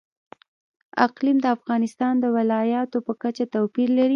اقلیم د افغانستان د ولایاتو په کچه توپیر لري.